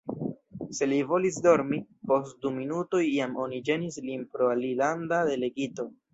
Se li volis dormi, post du minutoj jam oni ĝenis lin pro alilanda delegito.